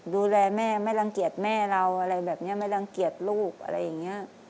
ดูแลแม่ไม่รังเกียจแม่เราอะไรแบบนี้ไม่รังเกียจลูกอะไรอย่างนี้